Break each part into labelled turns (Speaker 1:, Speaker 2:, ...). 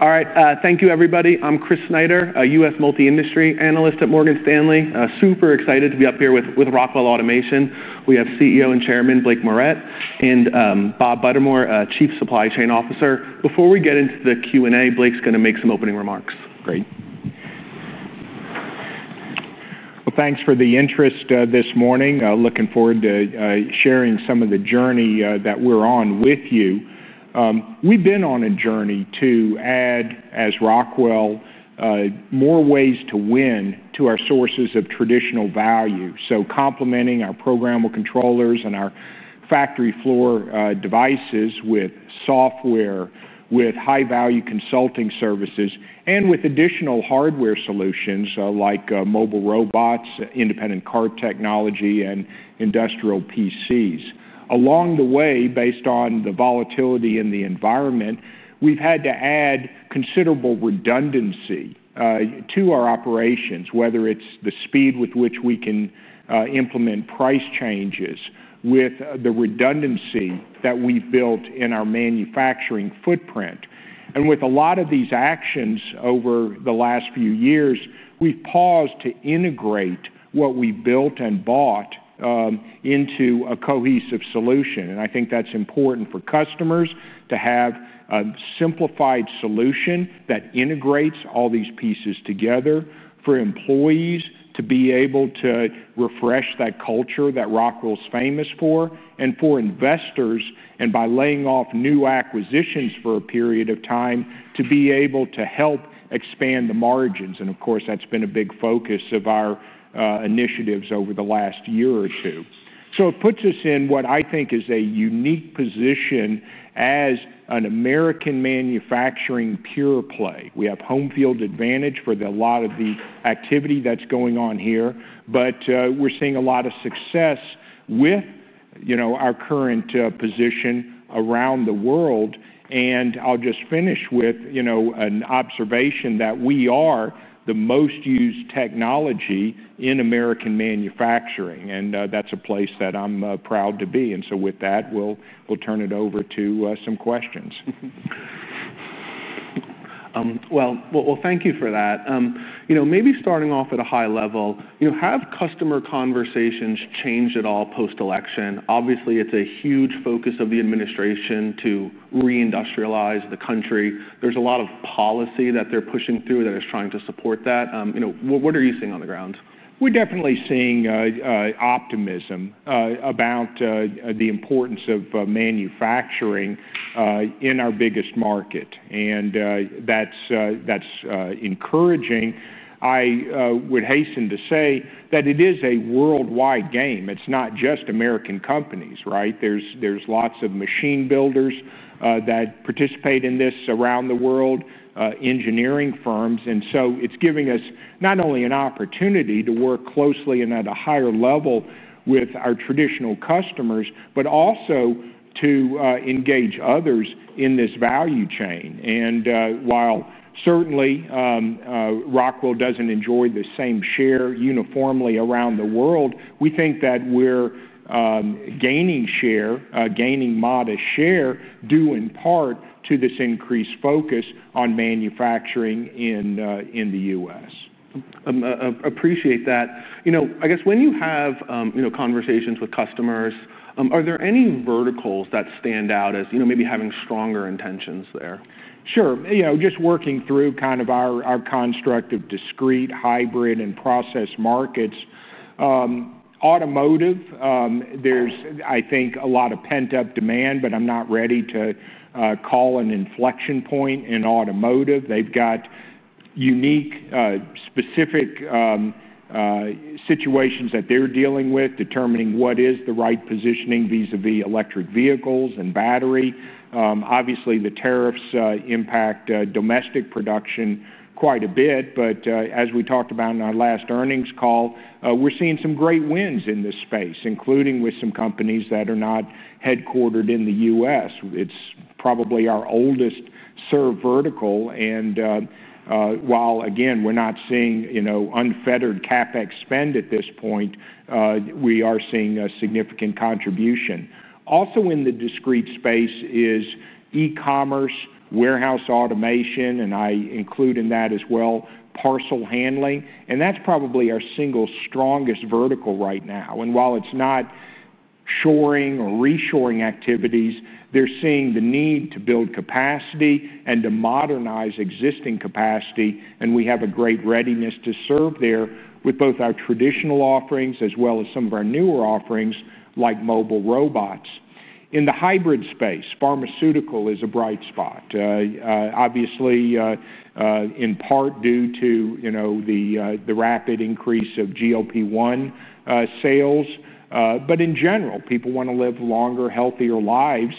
Speaker 1: All right. Thank you, everybody. I'm Chris Snyder, a U.S. multi-industry analyst at Morgan Stanley. Super excited to be up here with Rockwell Automation. We have CEO and Chairman Blake Moret and Bob Buttermore, Chief Supply Chain Officer. Before we get into the Q&A, Blake's going to make some opening remarks.
Speaker 2: Great. Thanks for the interest this morning. Looking forward to sharing some of the journey that we're on with you. We've been on a journey to add, as Rockwell Automation, more ways to win to our sources of traditional value. Complementing our programmable logic controllers (PLCs) and our factory floor devices with software, with high-value consulting services, and with additional hardware solutions like mobile robots, independent cart technology, and industrial PCs. Along the way, based on the volatility in the environment, we've had to add considerable redundancy to our operations, whether it's the speed with which we can implement price changes, with the redundancy that we've built in our manufacturing footprint. With a lot of these actions over the last few years, we've paused to integrate what we built and bought into a cohesive solution. I think that's important for customers to have a simplified solution that integrates all these pieces together, for employees to be able to refresh that culture that Rockwell Automation is famous for, and for investors, and by laying off new acquisitions for a period of time to be able to help expand the margins. Of course, that's been a big focus of our initiatives over the last year or two. It puts us in what I think is a unique position as an American manufacturing pure play. We have home field advantage for a lot of the activity that's going on here, but we're seeing a lot of success with our current position around the world. I'll just finish with an observation that we are the most used technology in American manufacturing, and that's a place that I'm proud to be. With that, we'll turn it over to some questions.
Speaker 1: Thank you for that. Maybe starting off at a high level, have customer conversations changed at all post-election? Obviously, it's a huge focus of the administration to reindustrialize the country. There's a lot of policy that they're pushing through that is trying to support that. What are you seeing on the grounds?
Speaker 2: We're definitely seeing optimism about the importance of manufacturing in our biggest market, and that's encouraging. I would hasten to say that it is a worldwide game. It's not just American companies, right? There are lots of machine builders that participate in this around the world, engineering firms. It's giving us not only an opportunity to work closely and at a higher level with our traditional customers, but also to engage others in this value chain. While certainly Rockwell Automation doesn't enjoy the same share uniformly around the world, we think that we're gaining share, gaining modest share, due in part to this increased focus on manufacturing in the U.S.
Speaker 1: Appreciate that. I guess when you have conversations with customers, are there any verticals that stand out as maybe having stronger intentions there?
Speaker 2: Sure. Just working through kind of our construct of discrete, hybrid, and process markets. Automotive, there's, I think, a lot of pent-up demand, but I'm not ready to call an inflection point in automotive. They've got unique specific situations that they're dealing with, determining what is the right positioning vis-à-vis electric vehicles and battery. Obviously, the tariffs impact domestic production quite a bit. As we talked about in our last earnings call, we're seeing some great wins in this space, including with some companies that are not headquartered in the U.S. It's probably our oldest served vertical. While, again, we're not seeing unfettered CapEx spend at this point, we are seeing a significant contribution. Also in the discrete space is e-commerce, warehouse automation, and I include in that as well parcel handling. That's probably our single strongest vertical right now. While it's not shoring or reshoring activities, they're seeing the need to build capacity and to modernize existing capacity. We have a great readiness to serve there with both our traditional offerings as well as some of our newer offerings like mobile robots. In the hybrid space, pharmaceutical is a bright spot, obviously in part due to the rapid increase of GLP-1 sales. In general, people want to live longer, healthier lives.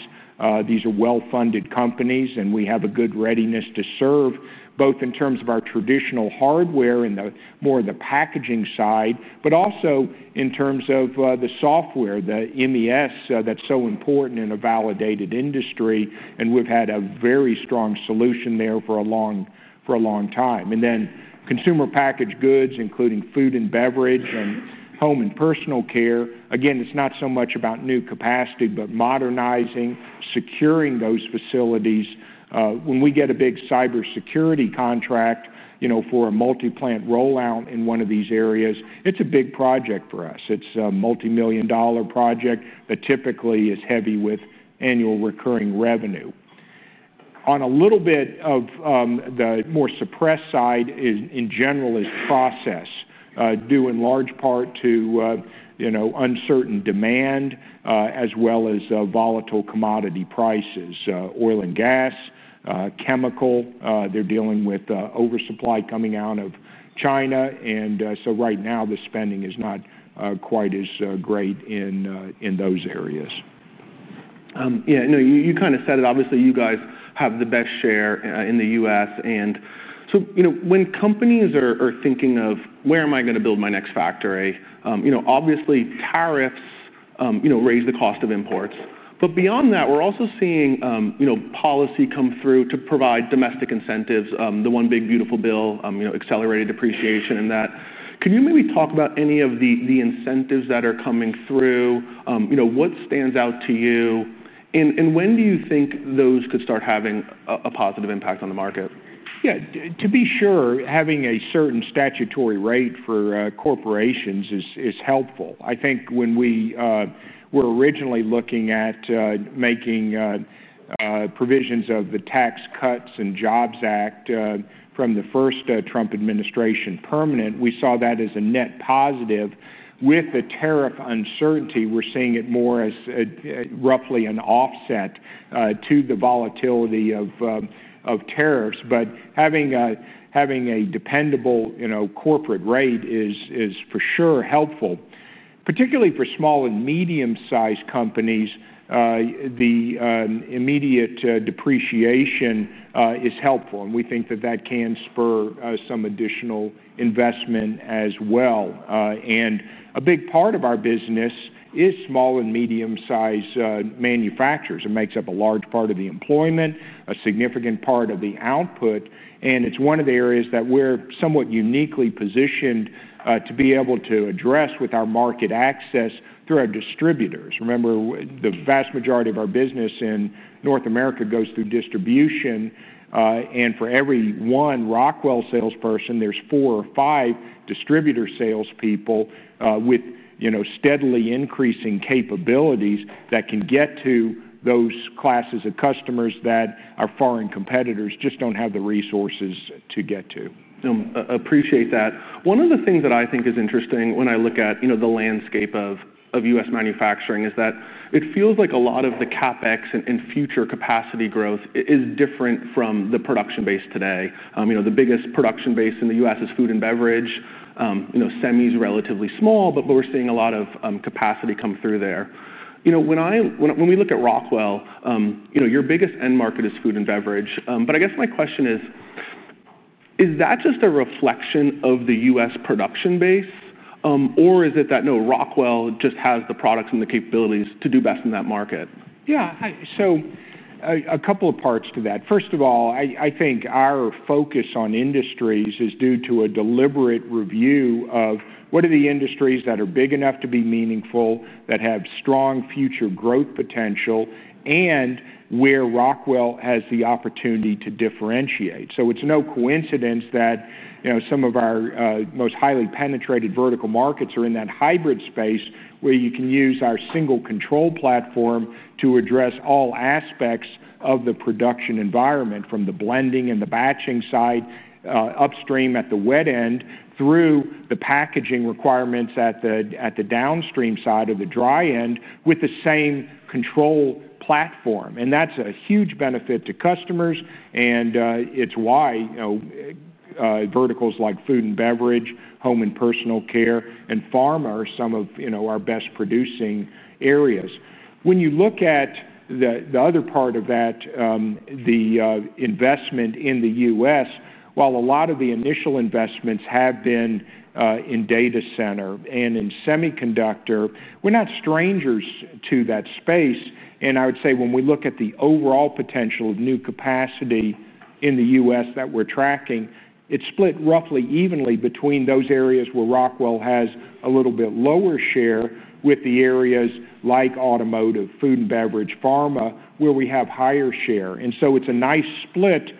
Speaker 2: These are well-funded companies, and we have a good readiness to serve both in terms of our traditional hardware and more of the packaging side, but also in terms of the software, the MES that's so important in a validated industry. We've had a very strong solution there for a long time. Then consumer packaged goods, including food and beverage and home and personal care. Again, it's not so much about new capacity, but modernizing, securing those facilities. When we get a big cybersecurity contract for a multi-plant rollout in one of these areas, it's a big project for us. It's a multimillion-dollar project that typically is heavy with annual recurring revenue. On a little bit of the more suppressed side, in general, is process, due in large part to uncertain demand as well as volatile commodity prices, oil and gas, chemical. They're dealing with oversupply coming out of China. Right now, the spending is not quite as great in those areas.
Speaker 1: Yeah, no, you kind of said it. Obviously, you guys have the best share in the U.S., and so when companies are thinking of where am I going to build my next factory, obviously tariffs raise the cost of imports. Beyond that, we're also seeing policy come through to provide domestic incentives, the one big beautiful bill, accelerated depreciation and that. Can you maybe talk about any of the incentives that are coming through? What stands out to you? When do you think those could start having a positive impact on the market?
Speaker 2: Yeah, to be sure, having a certain statutory rate for corporations is helpful. I think when we were originally looking at making provisions of the Tax Cuts and Jobs Act from the first Trump administration permanent, we saw that as a net positive. With the tariff uncertainty, we're seeing it more as roughly an offset to the volatility of tariffs. Having a dependable corporate rate is for sure helpful, particularly for small and medium-sized companies. The immediate depreciation is helpful, and we think that that can spur some additional investment as well. A big part of our business is small and medium-sized manufacturers. It makes up a large part of the employment, a significant part of the output, and it's one of the areas that we're somewhat uniquely positioned to be able to address with our market access through our distributors. Remember, the vast majority of our business in North America goes through distribution. For every one Rockwell salesperson, there's four or five distributor salespeople with steadily increasing capabilities that can get to those classes of customers that our foreign competitors just don't have the resources to get to.
Speaker 1: Appreciate that. One of the things that I think is interesting when I look at the landscape of U.S. manufacturing is that it feels like a lot of the CapEx and future capacity growth is different from the production base today. The biggest production base in the U.S. is food and beverage. Semi is relatively small, but we're seeing a lot of capacity come through there. When we look at Rockwell Automation, your biggest end market is food and beverage. I guess my question is, is that just a reflection of the U.S. production base, or is it that, no, Rockwell Automation just has the products and the capabilities to do best in that market?
Speaker 2: Yeah, so a couple of parts to that. First of all, I think our focus on industries is due to a deliberate review of what are the industries that are big enough to be meaningful, that have strong future growth potential, and where Rockwell Automation has the opportunity to differentiate. It is no coincidence that some of our most highly penetrated vertical markets are in that hybrid space where you can use our single control platform to address all aspects of the production environment, from the blending and the batching side upstream at the wet end through the packaging requirements at the downstream side of the dry end with the same control platform. That is a huge benefit to customers. It is why verticals like food and beverage, home and personal care, and pharma are some of our best producing areas. When you look at the other part of that, the investment in the U.S., while a lot of the initial investments have been in data center and in semiconductor, we are not strangers to that space. I would say when we look at the overall potential of new capacity in the U.S. that we are tracking, it is split roughly evenly between those areas where Rockwell Automation has a little bit lower share with the areas like automotive, food and beverage, pharma, where we have higher share. It is a nice split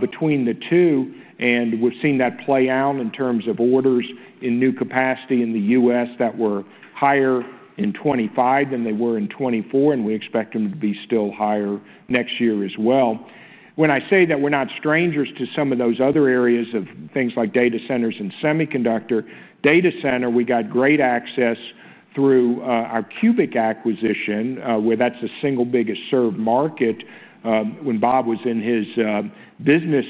Speaker 2: between the two. We have seen that play out in terms of orders in new capacity in the U.S. that were higher in 2025 than they were in 2024. We expect them to be still higher next year as well. When I say that we are not strangers to some of those other areas of things like data centers and semiconductor, data center, we got great access through our Cubic acquisition, where that is the single biggest served market. When Bob was in his business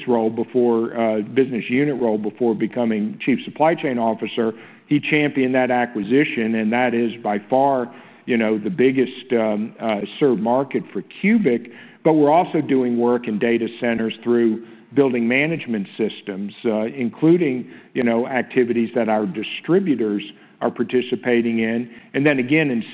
Speaker 2: unit role before becoming Chief Supply Chain Officer, he championed that acquisition. That is by far the biggest served market for Cubic. We are also doing work in data centers through building management systems, including activities that our distributors are participating in. In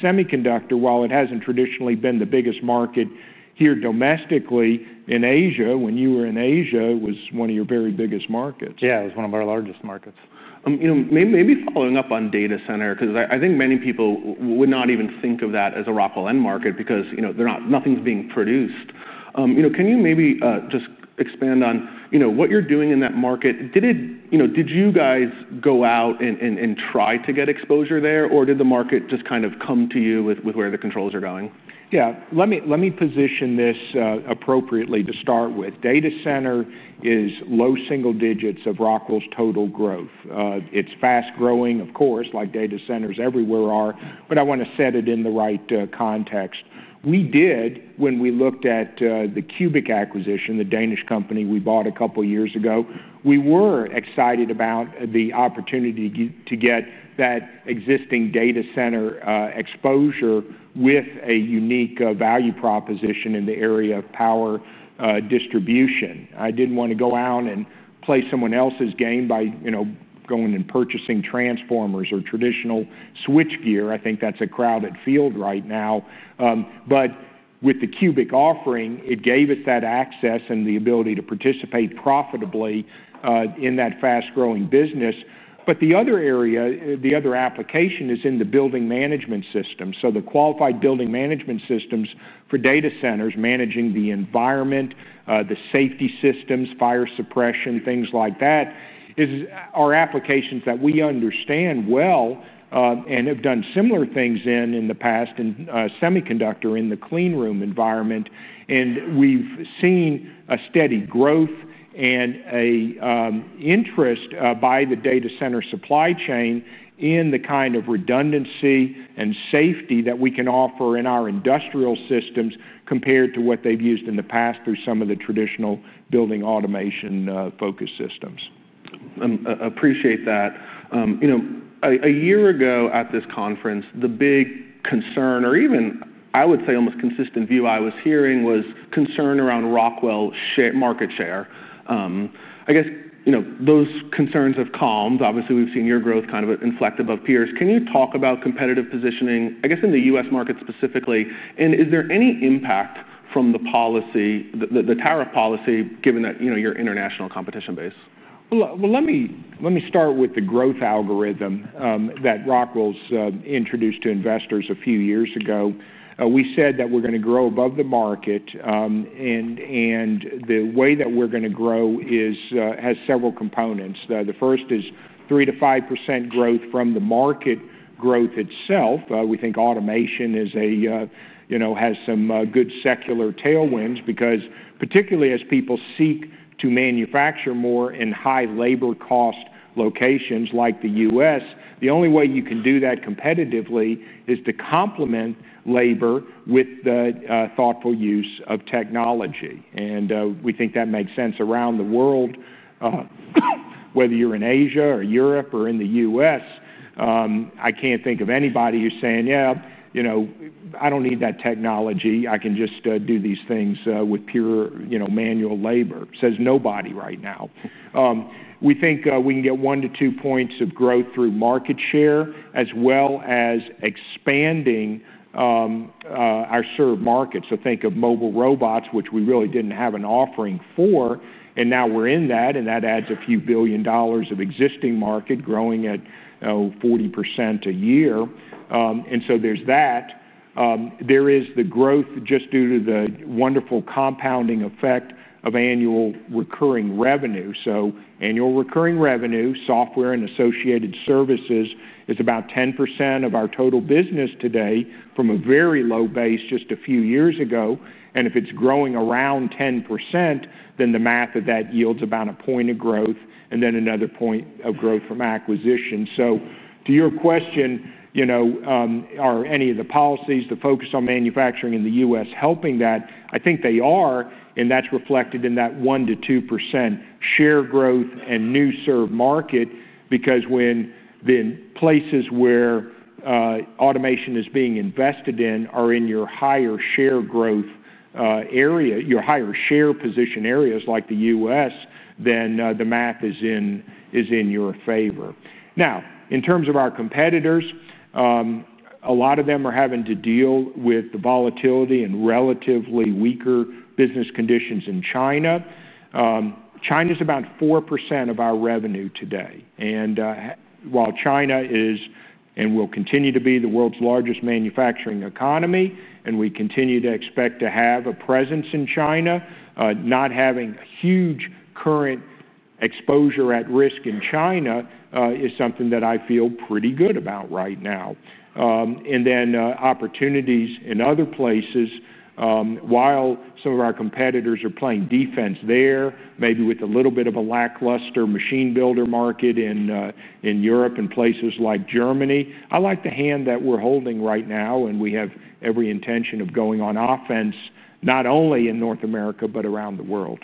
Speaker 2: semiconductor, while it has not traditionally been the biggest market here domestically, in Asia, when you were in Asia, it was one of your very biggest markets.
Speaker 1: Yeah, it was one of our largest markets. Maybe following up on data center, because I think many people would not even think of that as a Rockwell Automation end market because nothing's being produced. Can you maybe just expand on what you're doing in that market? Did you guys go out and try to get exposure there, or did the market just kind of come to you with where the controls are going?
Speaker 2: Yeah, let me position this appropriately to start with. Data center is low single digits of Rockwell Automation's total growth. It's fast growing, of course, like data centers everywhere are, but I want to set it in the right context. We did, when we looked at the Cubic acquisition, the Danish company we bought a couple of years ago, we were excited about the opportunity to get that existing data center exposure with a unique value proposition in the area of power distribution. I didn't want to go out and play someone else's game by going and purchasing transformers or traditional switchgear. I think that's a crowded field right now. With the Cubic offering, it gave us that access and the ability to participate profitably in that fast-growing business. The other area, the other application is in the building management system. The qualified building management systems for data centers managing the environment, the safety systems, fire suppression, things like that are applications that we understand well and have done similar things in in the past in semiconductor in the clean room environment. We've seen a steady growth and an interest by the data center supply chain in the kind of redundancy and safety that we can offer in our industrial systems compared to what they've used in the past through some of the traditional building automation focus systems.
Speaker 1: Appreciate that. A year ago at this conference, the big concern, or even I would say almost consistent view I was hearing, was concern around Rockwell Automation market share. I guess those concerns have calmed. Obviously, we've seen your growth kind of inflect above peers. Can you talk about competitive positioning, I guess in the U.S. market specifically? Is there any impact from the policy, the tariff policy, given that your international competition base?
Speaker 2: Let me start with the growth algorithm that Rockwell Automation introduced to investors a few years ago. We said that we're going to grow above the market. The way that we're going to grow has several components. The first is 3% to 5% growth from the market growth itself. We think automation has some good secular tailwinds because particularly as people seek to manufacture more in high labor cost locations like the U.S., the only way you can do that competitively is to complement labor with the thoughtful use of technology. We think that makes sense around the world. Whether you're in Asia or Europe or in the U.S., I can't think of anybody who's saying, "Yeah, I don't need that technology. I can just do these things with pure manual labor," says nobody right now. We think we can get 1% to 2% points of growth through market share as well as expanding our served markets. Think of mobile robots, which we really didn't have an offering for. Now we're in that, and that adds a few billion dollars of existing market growing at 40% a year. There is the growth just due to the wonderful compounding effect of annual recurring revenue. Annual recurring revenue, software and associated services is about 10% of our total business today from a very low base just a few years ago. If it's growing around 10%, then the math of that yields about a point of growth and then another point of growth from acquisition. To your question, are any of the policies, the focus on manufacturing in the U.S. helping that? I think they are. That's reflected in that 1% to 2% share growth and new served market because when the places where automation is being invested in are in your higher share growth area, your higher share position areas like the U.S., then the math is in your favor. In terms of our competitors, a lot of them are having to deal with the volatility and relatively weaker business conditions in China. China is about 4% of our revenue today. While China is and will continue to be the world's largest manufacturing economy, and we continue to expect to have a presence in China, not having a huge current exposure at risk in China is something that I feel pretty good about right now. Opportunities in other places, while some of our competitors are playing defense there, maybe with a little bit of a lackluster machine builder market in Europe and places like Germany, I like the hand that we're holding right now. We have every intention of going on offense, not only in North America, but around the world.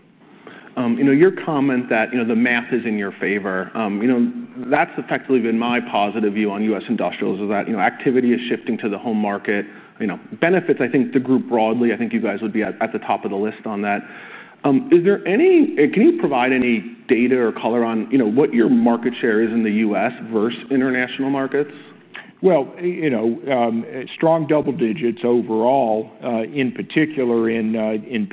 Speaker 1: Your comment that the math is in your favor, that's effectively been my positive view on U.S. industrials is that activity is shifting to the home market. Benefits, I think, to group broadly, I think you guys would be at the top of the list on that. Can you provide any data or color on what your market share is in the U.S. versus international markets?
Speaker 2: Strong double digits overall, in particular in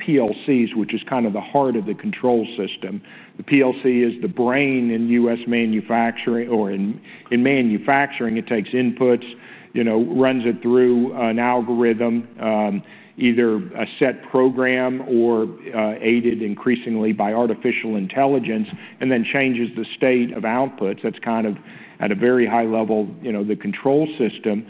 Speaker 2: PLCs, which is kind of the heart of the control system. The PLC is the brain in U.S. manufacturing or in manufacturing. It takes inputs, runs it through an algorithm, either a set program or aided increasingly by artificial intelligence, and then changes the state of outputs. That's kind of at a very high level the control system.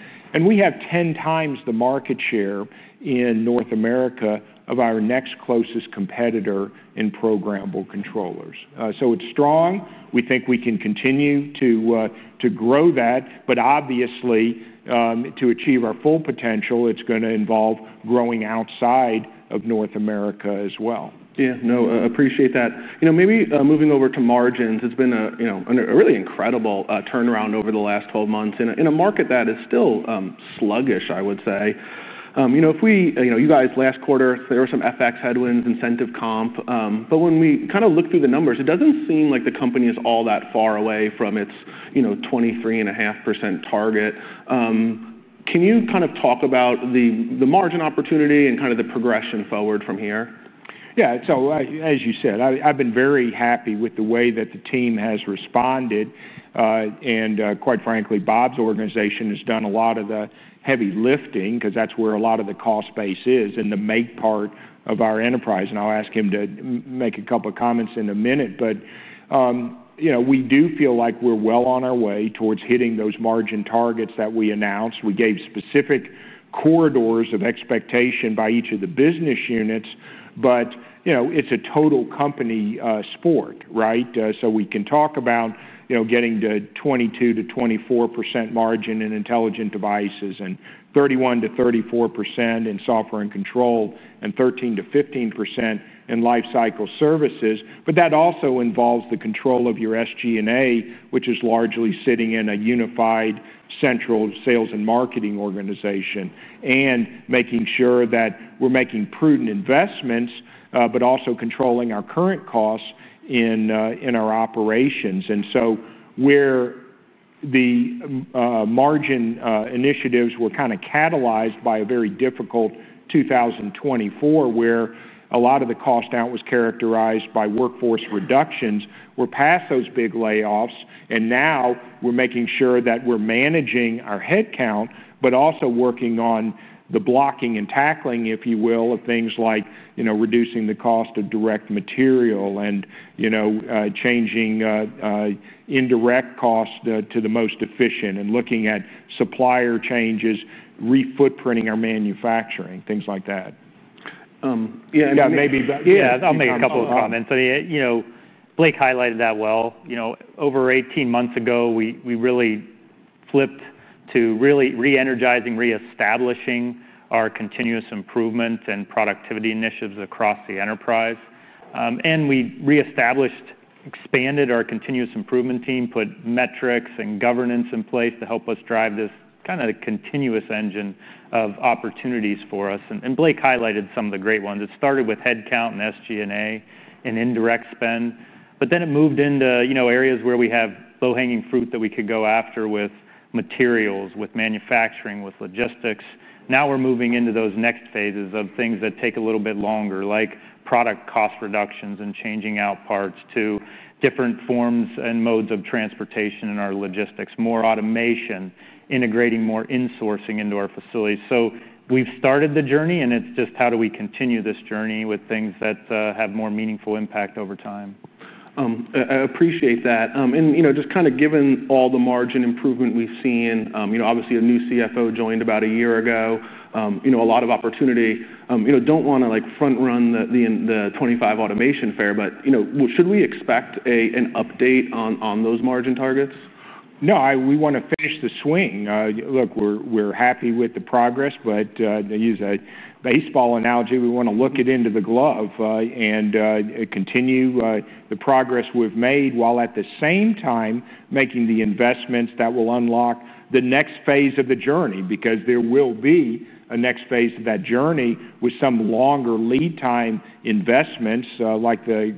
Speaker 2: We have 10 times the market share in North America of our next closest competitor in programmable controllers. It's strong. We think we can continue to grow that, but obviously to achieve our full potential, it's going to involve growing outside of North America as well.
Speaker 1: Yeah, no, I appreciate that. Maybe moving over to margins, it's been a really incredible turnaround over the last 12 months in a market that is still sluggish, I would say. You guys, last quarter, there were some FX headwinds, incentive comp. When we kind of look through the numbers, it doesn't seem like the company is all that far away from its 23.5% target. Can you kind of talk about the margin opportunity and the progression forward from here?
Speaker 2: Yeah, as you said, I've been very happy with the way that the team has responded. Quite frankly, Bob's organization has done a lot of the heavy lifting because that's where a lot of the cost base is in the make part of our enterprise. I'll ask him to make a couple of comments in a minute. We do feel like we're well on our way towards hitting those margin targets that we announced. We gave specific corridors of expectation by each of the business units, but it's a total company sport, right? We can talk about getting to 22% to 24% margin in intelligent devices and 31% to 34% in software and control, and 13% to 15% in lifecycle services. That also involves the control of your SG&A, which is largely sitting in a unified central sales and marketing organization and making sure that we're making prudent investments, but also controlling our current costs in our operations. Where the margin initiatives were kind of catalyzed by a very difficult 2024, where a lot of the cost out was characterized by workforce reductions, we're past those big layoffs. Now we're making sure that we're managing our headcount, but also working on the blocking and tackling, if you will, of things like reducing the cost of direct material and changing indirect costs to the most efficient and looking at supplier changes, refootprinting our manufacturing, things like that.
Speaker 1: Yeah, maybe.
Speaker 3: Yeah, I'll make a couple of comments. Blake highlighted that well. Over 18 months ago, we really flipped to really re-energizing, re-establishing our continuous improvement and productivity initiatives across the enterprise. We re-established, expanded our continuous improvement team, put metrics and governance in place to help us drive this kind of continuous engine of opportunities for us. Blake highlighted some of the great ones. It started with headcount and SG&A and indirect spend. It moved into areas where we have low-hanging fruit that we could go after with materials, with manufacturing, with logistics. Now we're moving into those next phases of things that take a little bit longer, like product cost reductions and changing out parts to different forms and modes of transportation in our logistics, more automation, integrating more insourcing into our facilities. We've started the journey, and it's just how do we continue this journey with things that have more meaningful impact over time.
Speaker 1: I appreciate that. Just kind of given all the margin improvement we've seen, obviously a new CFO joined about a year ago, a lot of opportunity. I don't want to front-run the 2025 Automation Fair, but should we expect an update on those margin targets?
Speaker 2: No, we want to finish the swing. Look, we're happy with the progress, but to use a baseball analogy, we want to look it into the glove and continue the progress we've made while at the same time making the investments that will unlock the next phase of the journey, because there will be a next phase of that journey with some longer lead time investments like the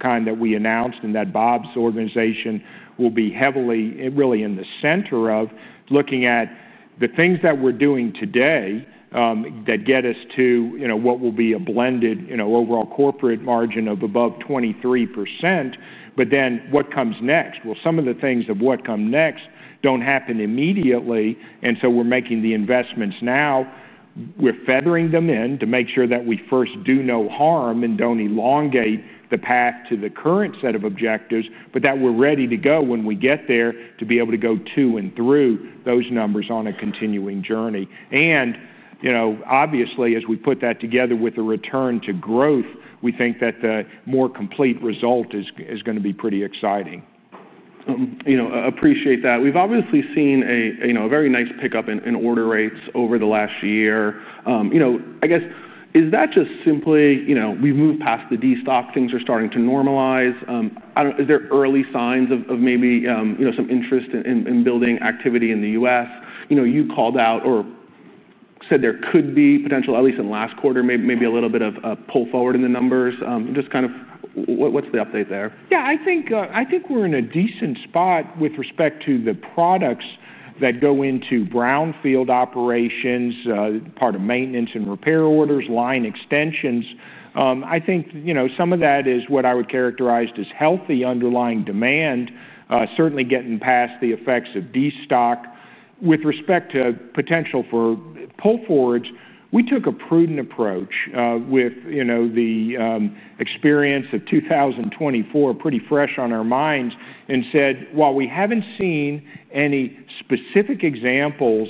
Speaker 2: kind that we announced and that Bob's organization will be really in the center of, looking at the things that we're doing today that get us to what will be a blended overall corporate margin of above 23%. What comes next? Some of the things of what comes next don't happen immediately. We're making the investments now. We're feathering them in to make sure that we first do no harm and don't elongate the path to the current set of objectives, but that we're ready to go when we get there to be able to go to and through those numbers on a continuing journey. Obviously, as we put that together with a return to growth, we think that the more complete result is going to be pretty exciting.
Speaker 1: Appreciate that. We've obviously seen a very nice pickup in order rates over the last year. I guess, is that just simply we've moved past the destock, things are starting to normalize? Is there early signs of maybe some interest in building activity in the U.S.? You called out or said there could be potential, at least in the last quarter, maybe a little bit of a pull forward in the numbers. Just kind of what's the update there?
Speaker 2: Yeah, I think we're in a decent spot with respect to the products that go into brownfield operations, part of maintenance and repair orders, line extensions. I think some of that is what I would characterize as healthy underlying demand, certainly getting past the effects of D-stock. With respect to potential for pull forwards, we took a prudent approach with the experience of 2024, pretty fresh on our minds, and said, while we haven't seen any specific examples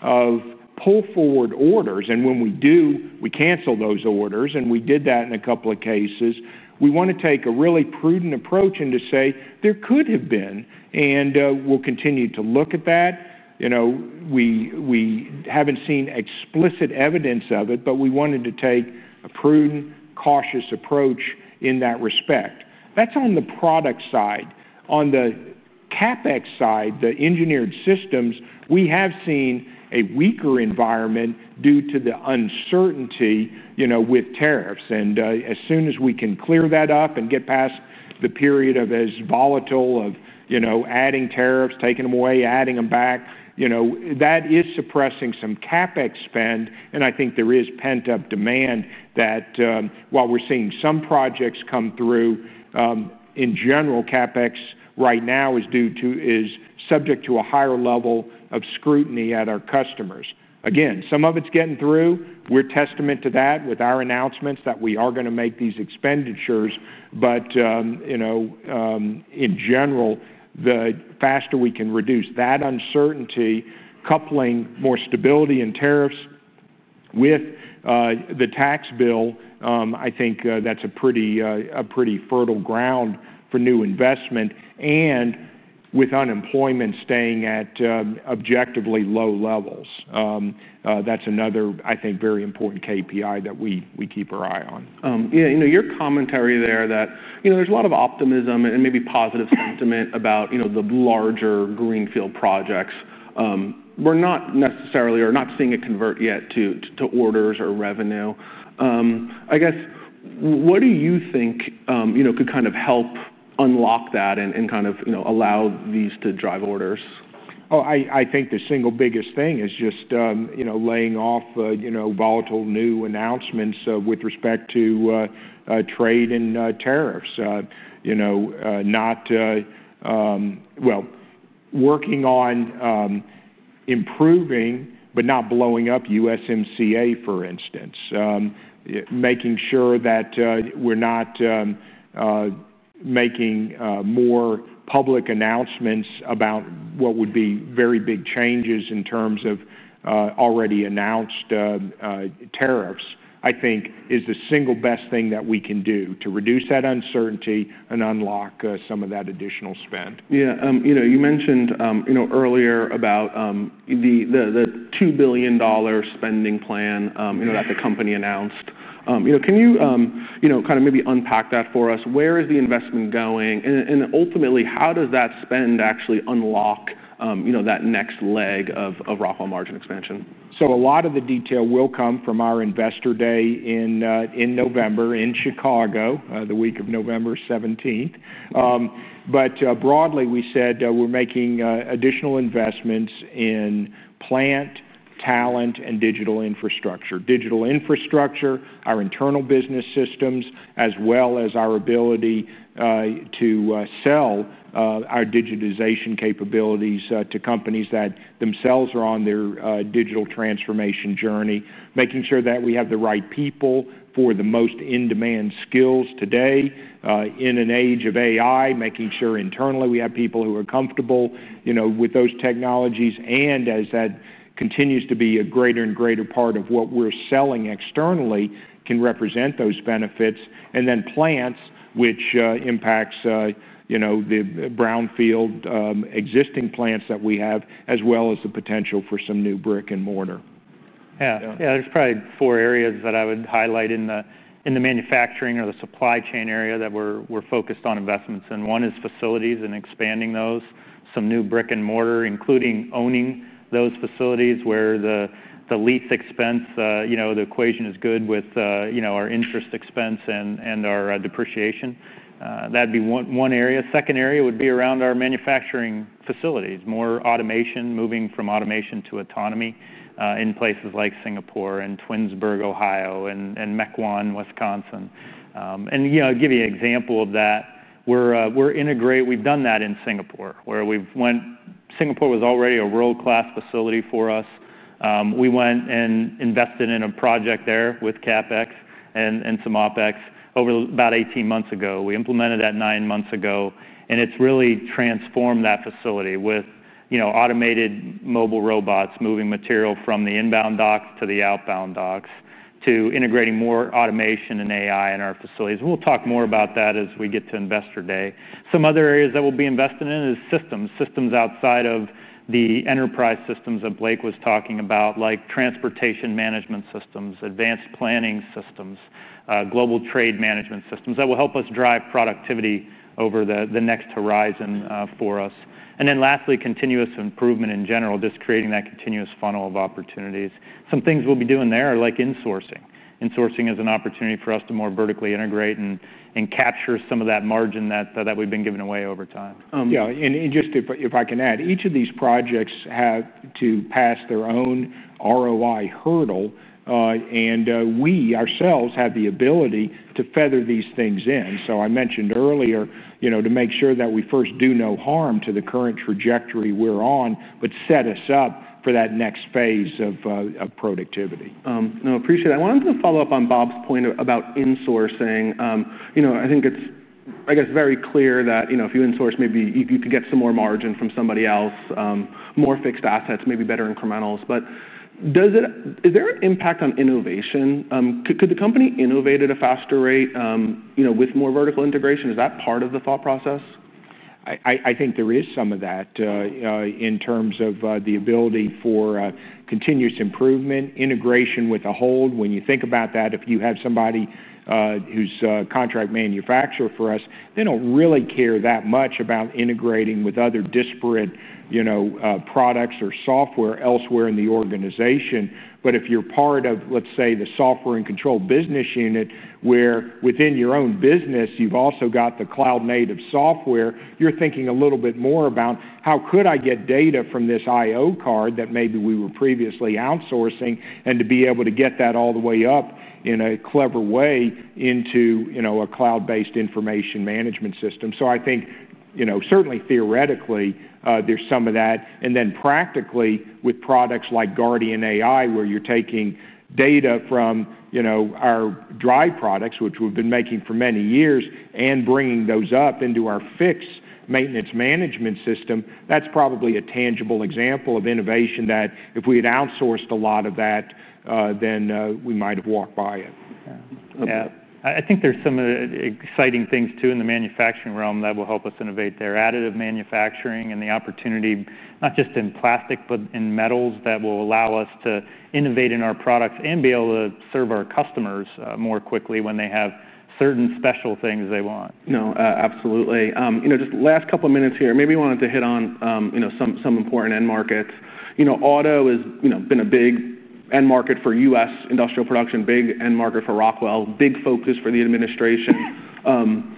Speaker 2: of pull forward orders, and when we do, we cancel those orders. We did that in a couple of cases. We want to take a really prudent approach and to say there could have been, and we'll continue to look at that. We haven't seen explicit evidence of it, but we wanted to take a prudent, cautious approach in that respect. That's on the product side. On the CapEx side, the engineered systems, we have seen a weaker environment due to the uncertainty with tariffs. As soon as we can clear that up and get past the period of as volatile of adding tariffs, taking them away, adding them back, that is suppressing some CapEx spend. I think there is pent-up demand that while we're seeing some projects come through, in general, CapEx right now is subject to a higher level of scrutiny at our customers. Again, some of it's getting through. We're a testament to that with our announcements that we are going to make these expenditures. In general, the faster we can reduce that uncertainty, coupling more stability and tariffs with the tax bill, I think that's a pretty fertile ground for new investment. With unemployment staying at objectively low levels, that's another, I think, very important KPI that we keep our eye on.
Speaker 1: Yeah, your commentary there that there's a lot of optimism and maybe positive sentiment about the larger greenfield projects. We're not necessarily, or not seeing it convert yet to orders or revenue. I guess, what do you think could kind of help unlock that and kind of allow these to drive orders?
Speaker 2: Oh, I think the single biggest thing is just laying off volatile new announcements with respect to trade and tariffs. Working on improving, but not blowing up USMCA, for instance. Making sure that we're not making more public announcements about what would be very big changes in terms of already announced tariffs is the single best thing that we can do to reduce that uncertainty and unlock some of that additional spend.
Speaker 1: Yeah, you mentioned earlier about the $2 billion spending plan that the company announced. Can you kind of maybe unpack that for us? Where is the investment going? Ultimately, how does that spend actually unlock that next leg of Rockwell margin expansion?
Speaker 2: A lot of the detail will come from our investor day in November in Chicago, the week of November 17. Broadly, we said we're making additional investments in plant, talent, and digital infrastructure. Digital infrastructure, our internal business systems, as well as our ability to sell our digitization capabilities to companies that themselves are on their digital transformation journey. Making sure that we have the right people for the most in-demand skills today in an age of AI, making sure internally we have people who are comfortable with those technologies and as that continues to be a greater and greater part of what we're selling externally can represent those benefits. Then plants, which impacts the brownfield existing plants that we have, as well as the potential for some new brick and mortar.
Speaker 1: Yeah, yeah, there's probably four areas that I would highlight in the manufacturing or the supply chain area that we're focused on investments in. One is facilities and expanding those, some new brick and mortar, including owning those facilities where the lease expense, the equation is good with our interest expense and our depreciation. That'd be one area. The second area would be around our manufacturing facilities, more automation, moving from automation to autonomy in places like Singapore and Twinsburg, Ohio, and Mequon, Wisconsin. I'll give you an example of that. We've done that in Singapore, where Singapore was already a world-class facility for us. We went and invested in a project there with CapEx and some OpEx over about 18 months ago. We implemented that nine months ago. It's really transformed that facility with automated mobile robots moving material from the inbound docks to the outbound docks to integrating more automation and AI in our facilities. We'll talk more about that as we get to investor day. Some other areas that we'll be investing in are systems, systems outside of the enterprise systems that Blake was talking about, like transportation management systems, advanced planning systems, global trade management systems that will help us drive productivity over the next horizon for us. Lastly, continuous improvement in general, just creating that continuous funnel of opportunities. Some things we'll be doing there are like insourcing. Insourcing is an opportunity for us to more vertically integrate and capture some of that margin that we've been giving away over time.
Speaker 2: Yeah, if I can add, each of these projects has to pass their own ROI hurdle. We ourselves have the ability to feather these things in. I mentioned earlier, to make sure that we first do no harm to the current trajectory we're on, but set us up for that next phase of productivity.
Speaker 1: No, I appreciate it. I wanted to follow up on Bob's point about insourcing. I think it's very clear that if you insource, maybe you can get some more margin from somebody else, more fixed assets, maybe better incrementals. Is there an impact on innovation? Could the company innovate at a faster rate with more vertical integration? Is that part of the thought process?
Speaker 2: I think there is some of that in terms of the ability for continuous improvement, integration with a whole. When you think about that, if you have somebody who's a contract manufacturer for us, they don't really care that much about integrating with other disparate products or software elsewhere in the organization. If you're part of, let's say, the Software and Control business unit, where within your own business, you've also got the cloud-native software, you're thinking a little bit more about how could I get data from this IO card that maybe we were previously outsourcing and to be able to get that all the way up in a clever way into a cloud-based information management system. I think certainly theoretically, there's some of that. Practically, with products like Guardian AI, where you're taking data from our drive products, which we've been making for many years, and bringing those up into our fixed maintenance management system, that's probably a tangible example of innovation that if we had outsourced a lot of that, then we might have walked by it.
Speaker 1: Yeah, I think there's some exciting things too in the manufacturing realm that will help us innovate there, additive manufacturing and the opportunity, not just in plastic but in metals, that will allow us to innovate in our products and be able to serve our customers more quickly when they have certain special things they want.
Speaker 2: No, absolutely.
Speaker 1: Just last couple of minutes here, maybe you wanted to hit on some important end markets. Auto has been a big end market for U.S. industrial production, big end market for Rockwell Automation, big focus for the administration.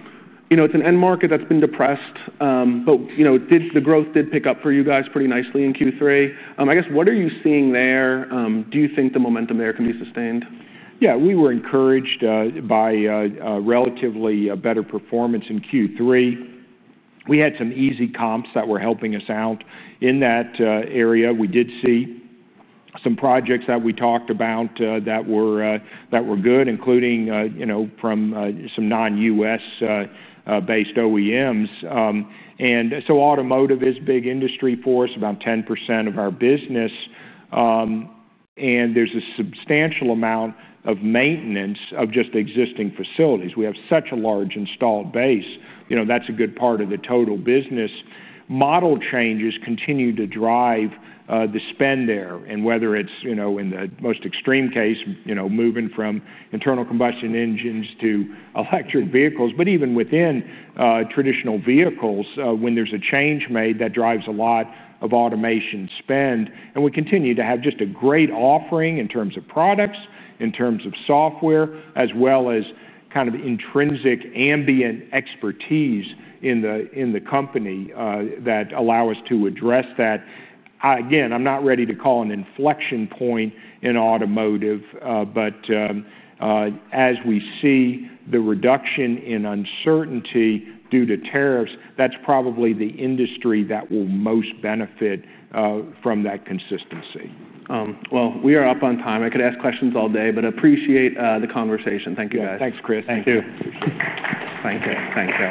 Speaker 1: It's an end market that's been depressed, but the growth did pick up for you guys pretty nicely in Q3. I guess, what are you seeing there? Do you think the momentum there can be sustained?
Speaker 2: Yeah, we were encouraged by relatively better performance in Q3. We had some easy comps that were helping us out in that area. We did see some projects that we talked about that were good, including from some non-U.S.-based OEMs. Automotive is a big industry for us, about 10% of our business. There's a substantial amount of maintenance of just existing facilities. We have such a large installed base. That's a good part of the total business. Model changes continue to drive the spend there. Whether it's in the most extreme case, moving from internal combustion engines to electric vehicles, or even within traditional vehicles, when there's a change made, that drives a lot of automation spend. We continue to have just a great offering in terms of products, in terms of software, as well as kind of intrinsic ambient expertise in the company that allow us to address that. Again, I'm not ready to call an inflection point in automotive, but as we see the reduction in uncertainty due to tariffs, that's probably the industry that will most benefit from that consistency.
Speaker 1: We are up on time. I could ask questions all day, but I appreciate the conversation. Thank you, guys.
Speaker 2: Yeah, thanks, Chris.
Speaker 3: Thank you.
Speaker 2: Thanks, Eric.
Speaker 3: Thanks, Eric.